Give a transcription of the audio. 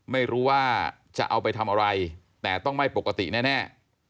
ไม่รู้ว่าจะเอาไปทำอะไรแต่ต้องไม่ปกติแน่